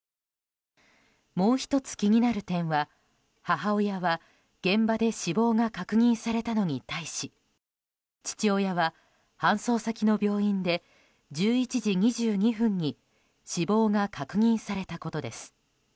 もう１つ気になる点は母親は、現場で死亡が確認されたのに対し父親は搬送先の病院で１１時２２分に死亡が確認されたことです。